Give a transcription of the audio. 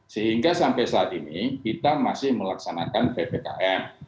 sehingga sampai saat ini kita masih melaksanakan ppkm